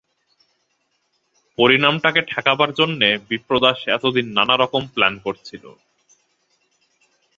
পরিণামটাকে ঠেকাবার জন্যে বিপ্রদাস এতদিন নানারকম প্ল্যান করছিল।